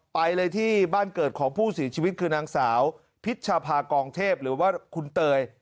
ไปเลยที่บ้านเกิดของผู้เสียชีวิตคือนางสาวพิชภากองเทพหรือว่าคุณเตย